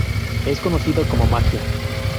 Es conocido como "magia".